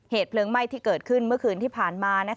เหตุเพลิงไหม้ที่เกิดขึ้นเมื่อคืนที่ผ่านมา